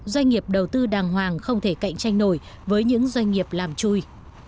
doanh nghiệp đầu tư đàng hoàng không thể cạnh tranh nổi với những doanh nghiệp làm chui